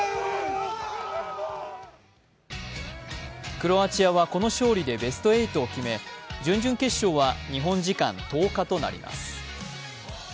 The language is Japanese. クロアチアはこの勝利でベスト８を決め準々決勝は日本時間１０日となります。